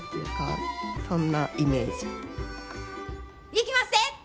いきまっせ！